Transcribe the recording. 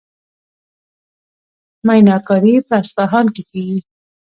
میناکاري په اصفهان کې کیږي.